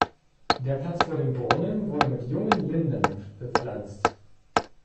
Der Platz vor dem Brunnen wurde mit jungen Linden bepflanzt.